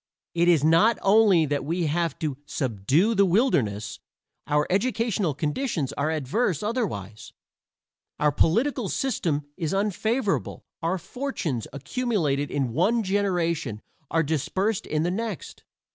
It is not only that we have had to "subdue the wilderness"; our educational conditions are adverse otherwise. Our political system is unfavorable. Our fortunes, accumulated in one generation, are dispersed in the next.